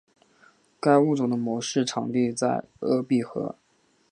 该物种的模式产地在鄂毕河。